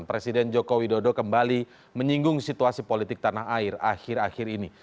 presiden joko widodo kembali menyinggung situasi politik tanah air akhir akhir ini